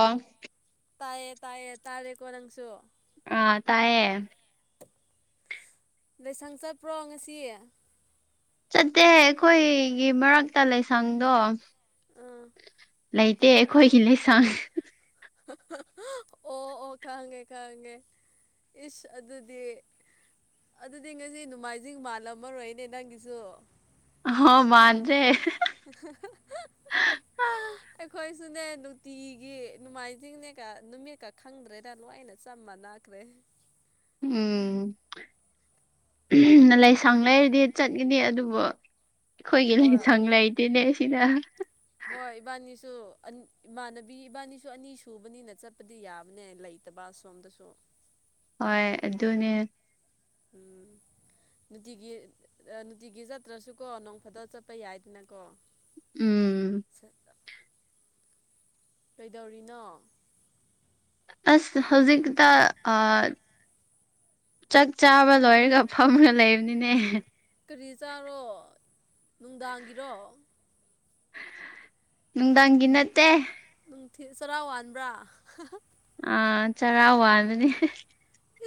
ꯑꯥ ꯇꯥꯏꯌꯦ ꯇꯥꯏꯌꯦ ꯇꯥꯔꯦꯀꯣ ꯅꯪꯁꯨ ꯑꯥ ꯇꯥꯏꯌꯦ ꯂꯥꯏꯁꯪ ꯆꯠꯄ꯭ꯔꯣ ꯉꯁꯤ ꯆꯠꯇꯦ ꯑꯩꯈꯣꯏꯒꯤ ꯃꯔꯛꯇ ꯂꯩꯥꯁꯪꯗꯣ ꯑꯥ ꯂꯩꯇꯦ ꯑꯩꯈꯣꯏꯒꯤ ꯂꯩꯁꯡ ꯑꯣ ꯑꯣ ꯈꯥꯡꯉꯦ ꯈꯥꯡꯉꯦ ꯏꯁ ꯑꯗꯨꯗꯤ ꯑꯗꯨꯗꯤ ꯉꯁꯤ ꯅꯣꯡꯃꯥꯏꯖꯤꯡ ꯃꯥꯜꯂꯝꯃꯔꯣꯏꯅꯦ ꯅꯪꯒꯤꯁꯨ꯫ ꯑꯍ ꯃꯥꯟꯗ꯭ꯔꯦ [unintelligible] ꯑꯩꯈꯣꯏꯁꯨꯅꯦ ꯅꯨꯡꯇꯤꯒꯤ ꯅꯣꯡꯃꯥꯏꯖꯤꯡꯅꯦꯒ ꯅꯨꯃꯤꯠꯀ ꯈꯪꯗ꯭ꯔꯦꯗ ꯂꯣꯏꯅ ꯆꯞ ꯃꯥꯅꯈ꯭ꯔꯦ ꯎꯝ ꯅ ꯂꯩꯁꯪ ꯂꯩꯔꯗꯤ ꯆꯠꯉꯅꯤ ꯑꯗꯨꯕꯨ ꯑꯩꯈꯣꯏꯒꯤ ꯍꯣꯏ ꯂꯥꯏꯁꯪ ꯂꯩꯇꯦꯅꯦ ꯁꯤꯗ꯫ ꯍꯣꯏ ꯏꯕꯥꯅꯤꯁꯨ ꯑꯟ ꯏꯃꯥꯟꯅꯕꯤ ꯏꯕꯥꯅꯤꯁꯨ ꯑꯅꯤ ꯁꯨꯕꯅꯤꯅ ꯆꯠꯄꯗꯤ ꯌꯥꯕꯅꯦ ꯂꯩ ꯇꯕ ꯁꯣꯝꯗꯁꯨ ꯍꯣꯏ ꯑꯗꯨꯅꯦ ꯎꯝ ꯅꯨꯇꯤꯒꯤ ꯑꯥ ꯅꯨꯇꯤꯒꯤ ꯆꯠꯇ꯭ꯔꯁꯨꯀꯣ ꯅꯣꯡ ꯐꯥꯗꯣꯛ ꯆꯠꯄ ꯌꯥꯏꯗꯅꯀꯣ꯫ ꯎꯝ ꯀꯩꯗꯧꯔꯤꯅꯣ? ꯑꯁ ꯍꯧꯖꯤꯛꯇ ꯑꯥ ꯆꯥꯛ ꯆꯥꯕ ꯂꯣꯏꯔꯒ ꯐꯝꯔ ꯂꯩꯕꯅꯤꯅꯦ꯫ ꯀꯔꯤ ꯆꯥꯔꯣ ꯅꯨꯡꯗꯥꯡꯒꯤꯔꯣ? ꯅꯨꯡꯗꯥꯡꯒꯤ ꯅꯠꯇꯦ ꯅꯨꯡꯊꯤꯟ ꯆꯔꯥ ꯋꯥꯟꯕ꯭ꯔꯥ? ꯑꯥ ꯆꯔꯥ ꯋꯥꯟꯕꯅꯤ꯫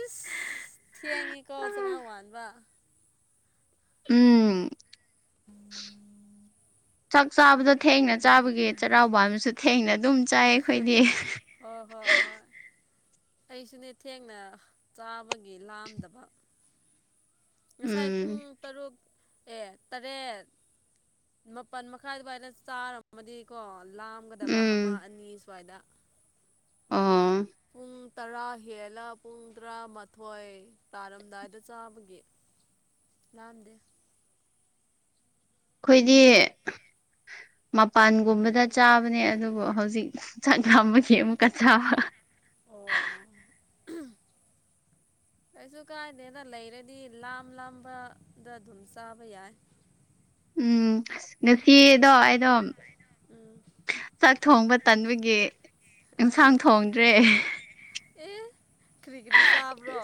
ꯏꯁ ꯊꯦꯡꯉꯤ ꯀꯣ ꯆꯔꯥ ꯋꯥꯟꯕ ꯎꯝ [unintelligible] ꯆꯥꯛ ꯆꯥꯕꯗꯣ ꯊꯦꯡꯅ ꯆꯥꯕꯒꯤ ꯆꯩꯔꯥꯋꯥꯟꯕꯁꯨ ꯊꯦꯡꯅ ꯑꯗꯨꯝ ꯆꯥꯏ ꯑꯩꯈꯣꯏꯗꯤ ꯫ ꯑꯣ ꯍꯣꯏ ꯍꯣ ꯑꯩꯁꯨꯅꯦ ꯊꯦꯡꯅ ꯆꯥꯕꯒꯤ ꯂꯥꯝꯗꯕ꯫ ꯉꯁꯥꯏ ꯄꯨꯡ ꯎꯝ ꯇꯔꯨꯛ ꯑꯦ ꯇꯔꯦꯠ ꯃꯥꯄꯟ ꯃꯈꯥꯏ ꯑꯗꯨꯋꯥꯥꯏꯅ ꯆꯥꯔ ꯃꯗꯤꯀꯣ ꯂꯥꯝꯒꯗꯕ ꯑꯃ ꯎꯝ ꯑꯅꯤ ꯁ꯭ꯋꯥꯏꯗ ꯑꯣ ꯄꯨꯡ ꯇꯔꯥ ꯍꯦꯜꯂ ꯄꯨꯡ ꯇꯔꯥꯃꯥꯊꯣꯏ ꯇꯥꯔꯝꯗꯥꯏꯗ ꯆꯥꯕꯒꯤ ꯂꯥꯝꯗꯦ꯫ ꯈꯣꯏꯗꯤ ꯃꯄꯥꯟꯒꯨꯝꯕꯗ ꯆꯥꯕꯅꯦ ꯑꯗꯨꯕꯨ ꯍꯧꯖꯤꯛ ꯆꯥꯛ ꯂꯥꯝꯕꯒꯤ ꯑꯃꯨꯛꯀ ꯆꯥꯕ꯫ ꯑꯣ ꯀꯩꯁꯨ ꯀꯥꯏꯗꯦꯅ ꯂꯩꯔꯗꯤ ꯂꯥꯝ ꯂꯥꯝꯕꯗ ꯑꯗꯨꯝ ꯆꯥꯕ ꯌꯥꯏ꯫ ꯎꯝ ꯉꯁꯤꯗꯣ ꯑꯩꯗꯣ ꯎꯝ ꯆꯥꯛ ꯊꯣꯡꯕ ꯇꯟꯕꯒꯤ ꯑ ꯑꯦꯟꯁꯥꯡ ꯊꯣꯡꯗ꯭ꯔꯦ꯫ ꯑꯦ ꯀ꯭ꯔꯤ ꯀ꯭ꯔꯤ ꯆꯥꯕ꯭ꯔꯣ?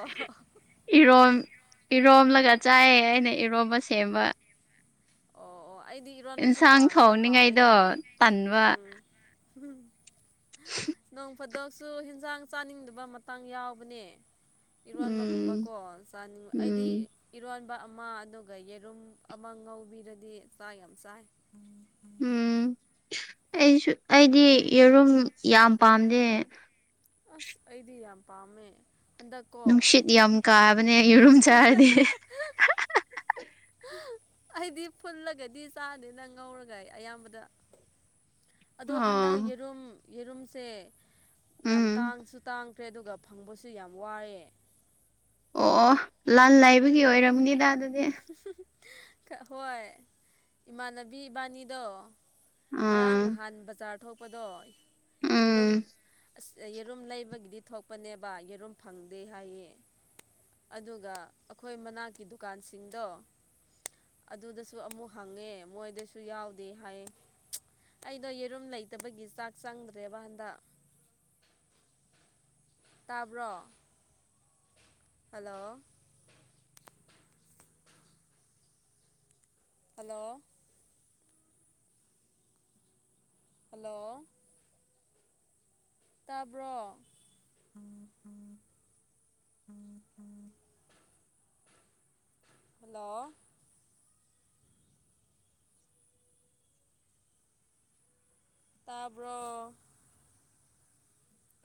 ꯏꯔꯣꯝ ꯏꯔꯣꯝꯂꯒ ꯆꯥꯏꯑꯦ ꯑꯩꯅ ꯏꯔꯣꯝꯕ ꯁꯦꯝꯕ ꯫ ꯑꯣ ꯑꯣ ꯑꯩꯗꯤ ꯏꯔꯣꯟꯕꯁꯨ ꯏꯟꯁꯥꯡ ꯄꯥꯝꯃꯤꯗ ꯍꯥꯎꯋꯤꯗ ꯊꯣꯡꯅꯤꯡꯉꯥꯏꯗꯣ ꯇꯟꯕ ꯎꯝ [unintelligible] ꯅꯣꯡ ꯐꯗꯣꯛꯁꯨ ꯍꯤꯟꯖꯥꯡ ꯆꯥꯅꯤꯡꯗꯕ ꯃꯇꯥꯡ ꯌꯥꯎꯕꯅꯦ ꯏꯔꯣꯟꯕꯒꯨꯝꯕ ꯎꯝ ꯀꯣ ꯆꯥꯅꯤꯡꯕ ꯑꯩꯗꯤ ꯎꯝ ꯏꯔꯣꯟꯕ ꯑꯃ ꯑꯗꯨꯒ ꯌꯦꯔꯨꯝ ꯑꯃ ꯉꯧꯕꯤ ꯗꯗꯤ ꯆꯥꯛ ꯌꯥꯝ ꯆꯥꯏ ꯎꯝ ꯑꯩꯁꯨ ꯑꯩꯗꯤ ꯌꯦꯔꯨꯝ ꯌꯥꯝ ꯄꯥꯝꯗꯦ꯫ ꯑꯁ ꯑꯩꯗꯤ ꯌꯥꯝ ꯄꯥꯝꯃꯦ꯫ ꯍꯟꯗꯛꯀꯣ ꯅꯨꯡꯁꯤꯠ ꯌꯥꯝ ꯀꯥꯕꯅꯦ ꯌꯦꯔꯨꯝ ꯆꯥꯔꯗꯤ ꯑꯩꯗꯤ ꯐꯨꯜꯂꯒꯗꯤ ꯆꯥꯗꯦ ꯉꯧꯔꯒ ꯑꯌꯥꯝꯕꯗ ꯑꯗꯣ ꯍꯟꯗꯛ ꯑꯣ ꯌꯦꯔꯨꯝ ꯌꯦꯔꯨꯝꯁꯦ ꯌꯥꯝ ꯎꯝ ꯇꯥꯡꯁꯨ ꯇꯥꯡ ꯀ꯭ꯔꯦ ꯑꯗꯨꯒ ꯐꯪꯕꯁꯨ ꯌꯥꯝ ꯋꯥꯏꯌꯦ ꯑꯣ ꯑꯣ ꯂꯥꯟ ꯂꯥꯏꯕꯒꯤ ꯑꯣꯏꯔꯝꯅꯤꯗ ꯑꯗꯨꯗꯤ ꯍꯣꯏ ꯏꯃꯥꯟꯅꯕꯤ ꯏꯕꯥꯟꯅꯤꯗꯣ ꯉꯔꯥꯡ ꯑꯥ ꯉꯍꯥꯟ ꯕꯖꯥꯔ ꯊꯣꯛꯄꯗꯣ ꯎꯝ ꯌꯦꯔꯨꯝ ꯑꯁ ꯌꯦꯔꯨꯝ ꯂꯩꯕꯒꯤꯗꯤ ꯊꯣꯛꯄꯅꯦꯕ ꯌꯦꯔꯨꯝ ꯐꯪꯗꯦ ꯍꯥꯏꯌꯦ꯫ ꯑꯗꯨꯒ ꯑꯩꯈꯣꯏ ꯃꯅꯥꯛꯀꯤ ꯗꯨꯀꯥꯟꯁꯤꯡꯗꯣ ꯑꯗꯨꯗꯁꯨ ꯑꯃꯨꯛ ꯍꯪꯉꯦ ꯃꯣꯏꯗꯁꯨ ꯌꯥꯎꯗꯦ ꯍꯥꯏꯌꯦ꯫ ꯑꯩꯩꯗꯣ ꯌꯦꯔꯨꯝ ꯂꯩꯇꯕꯒꯤ ꯆꯥꯛ ꯆꯪꯗ꯭ꯔꯦꯕ ꯍꯟꯗꯛ꯫ ꯇꯥꯕ꯭ꯔꯣ ꯍꯜꯂꯣ ꯍꯜꯂꯣ ꯍꯜꯂꯣ ꯇꯥꯕ꯭ꯔꯣ [unintelligible] ꯍꯜꯂꯣ ꯇꯥꯕꯔꯣ